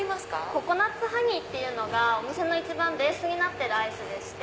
ココナッツハニーっていうのがお店の一番ベースになってるアイスでして。